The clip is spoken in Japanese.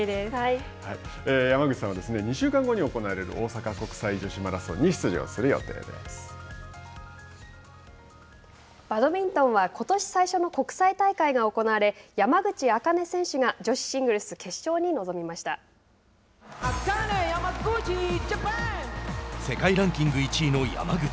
山口さんは２週間後に行われる大阪国際女子マラソンにバドミントンはことし最初の国際大会が行われ山口茜選手が世界ランキング１位の山口。